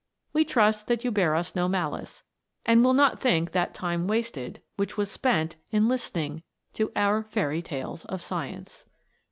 We trust that you bear us no malice, and will not think that time wasted which was spent in listening to our FAIRY TALES OF SCIENCE.